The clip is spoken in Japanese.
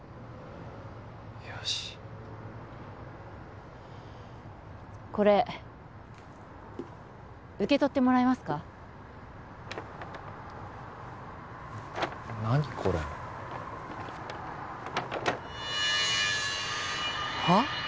よしこれ受け取ってもらえますか何これはっ？